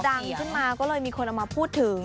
ดังขึ้นมาก็เลยมีคนเอามาพูดถึง